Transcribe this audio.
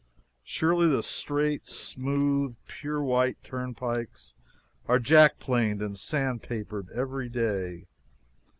Surely the straight, smooth, pure white turnpikes are jack planed and sandpapered every day.